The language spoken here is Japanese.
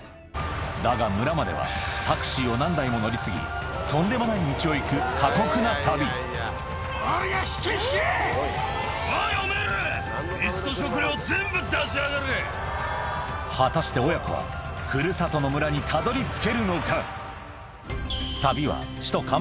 だが村まではタクシーを何台も乗り継ぎとんでもない道を行く過酷な旅果たして親子は古里の村にたどり着けるのか？